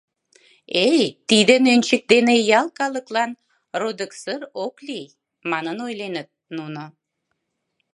— Эй, тиде нӧнчык дене ял калыклан родыксыр ок лий, — манын ойленыт нуно.